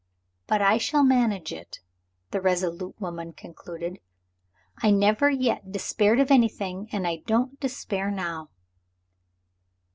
"But I shall manage it," the resolute woman concluded. "I never yet despaired of anything and I don't despair now."